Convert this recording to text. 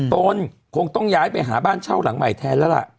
ตนคงต้องย้ายไปหาบ้านเช่าหลังใหม่แทนแล้วล่ะ